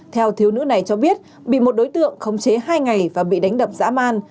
theo thiếu nữ này cho biết bị một đối tượng khống chế hai ngày và bị đánh đập dã man